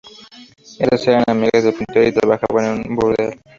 Estas eran amigas del pintor y trabajaban en un burdel.